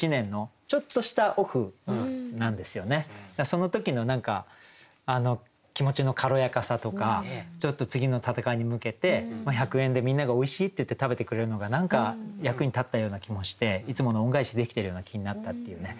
その時の何か気持ちの軽やかさとかちょっと次の戦いに向けて百円でみんなが「おいしい」って言って食べてくれるのが何か役に立ったような気もしていつもの恩返しできてるような気になったっていうね。